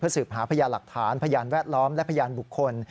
สืบหาพยานหลักฐานพยานแวดล้อมและพยานบุคคล